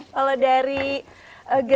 kalau dari grafis